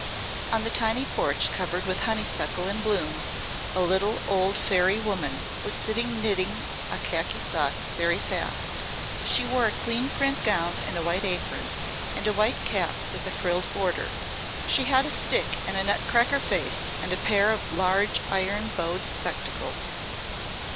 On the tiny porch covered with honeysuckle in bloom, a little, old fairy woman was sitting knitting a khaki sock very fast. She wore a clean print gown and a white apron and a white cap with a frilled border. She had a stick and a nutcracker face and a pair of large iron bowed spectacles.